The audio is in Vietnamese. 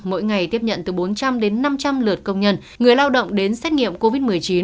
mỗi ngày tiếp nhận từ bốn trăm linh đến năm trăm linh lượt công nhân người lao động đến xét nghiệm covid một mươi chín